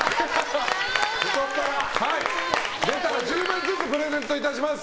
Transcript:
出たら１０万ずつプレゼントします。